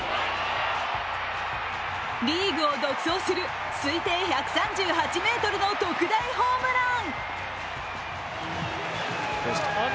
リーグを独走する推定１３８ｍの特大ホームラン。